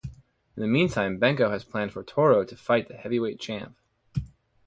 In the meantime, Benko has planned for Toro to fight the heavyweight champ.